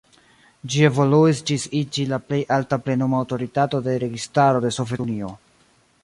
Ĝi evoluis ĝis iĝi la plej alta plenuma aŭtoritato de registaro de Sovetunio.